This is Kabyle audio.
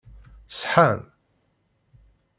Ṣeḥḥan?